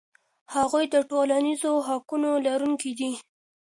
هغوی د ټولنیزو حقونو لرونکي دي.